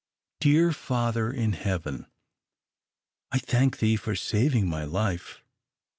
"Dear Father in heaven, I thank thee for saving my life.